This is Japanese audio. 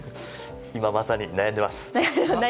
今、まさに悩んでます。